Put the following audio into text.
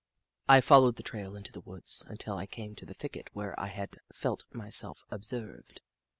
I followed the trail into the woods until I came to the thicket where I had felt myself observed.